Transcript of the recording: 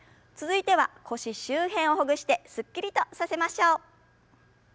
続いては腰周辺をほぐしてすっきりとさせましょう。